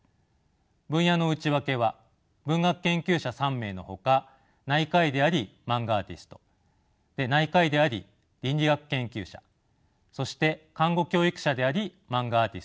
分野の内訳は文学研究者３名のほか内科医でありマンガアーティスト内科医であり倫理学研究者そして看護教育者でありマンガアーティストです。